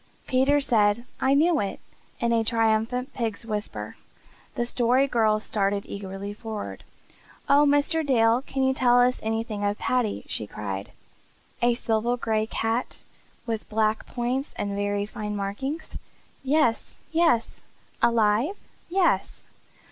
Peter said "I knew it!" in a triumphant pig's whisper. The Story Girl started eagerly forward. "Oh, Mr. Dale, can you tell us anything of Paddy?" she cried. "A silver gray cat with black points and very fine marking?" "Yes, yes!" "Alive?" "Yes."